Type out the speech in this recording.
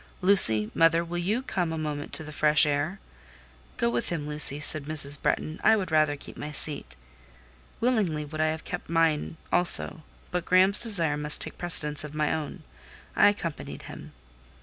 "Lucy—mother—will you come a moment to the fresh air?" "Go with him, Lucy," said Mrs. Bretton. "I would rather keep my seat." Willingly would I have kept mine also, but Graham's desire must take precedence of my own; I accompanied him.